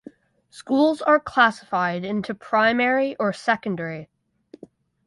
Schools are classified into primary or secondary.